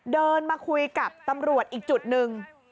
เดินมาคุยกับตำรวจอีกจุดหนึ่ง